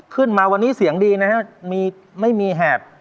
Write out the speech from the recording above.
ขึ้นมาวันนี้เสียงดีนะครับมีไม่มีแหบ